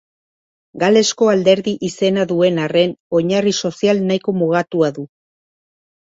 Galesko Alderdi izena duen arren, oinarri sozial nahiko mugatua du.